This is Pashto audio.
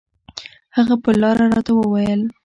هغه پر لاره راته وويل.